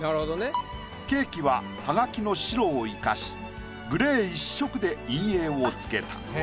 ケーキはハガキの白を生かしグレー１色で陰影をつけた。